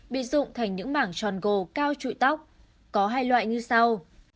bị dụng thành những mảng tròn gồ cao trụi tóc có hai loại như sau